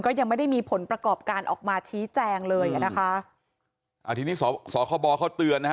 ก็ยังไม่ได้มีผลประกอบการออกมาชี้แจงเลยอ่ะนะคะอ่าทีนี้สอสคบเขาเตือนนะฮะ